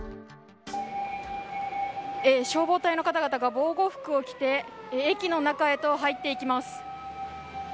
消防隊の方々が防護服を着て駅の中へと入っていきます。